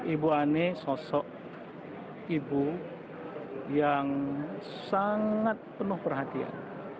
ibu ani sosok ibu yang sangat penuh perhatian